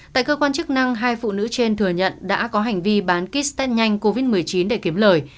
tại cơ quan chức năng hai phụ nữ trên thừa nhận đã có hành vi bán kích tết nhanh covid một mươi chín để kiếm lời